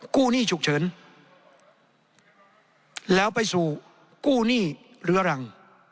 หนี้ฉุกเฉินแล้วไปสู่กู้หนี้เรื้อรัง